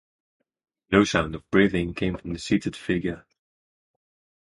No sound of breathing came from the seated figure!